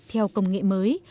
theo công nghệ mới